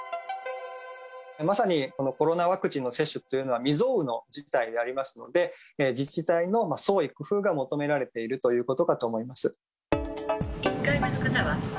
まさにこのコロナワクチンの接種というのは未曽有の事態でありますので、自治体の創意工夫が求められているということかと思います。